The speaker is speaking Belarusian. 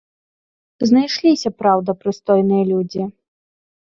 Знайшліся, праўда, прыстойныя людзі.